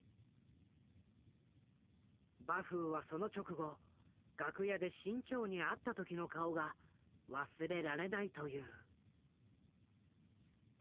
馬風はその直後楽屋で志ん朝に会った時の顔が忘れられないという。